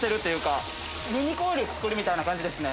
ニンニクオイル作るみたいな感じですね。